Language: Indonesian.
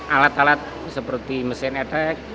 alat alat seperti mesin attack